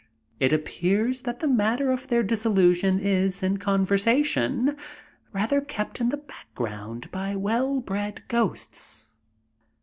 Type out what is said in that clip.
It appears that the matter of their dissolution is, in conversation, rather kept in the background by well bred ghosts.